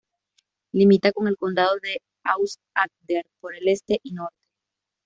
Limita con el condado de Aust-Agder por el este y norte.